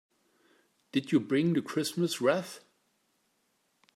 Did you bring the Christmas wreath?